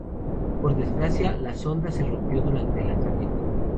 Por desgracia, la sonda se rompió durante el lanzamiento.